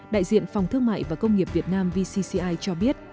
đại diện phòng thương mại và công nghiệp việt nam vcci cho biết